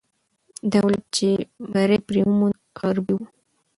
دولت چې بری پرې وموند، غربي وو.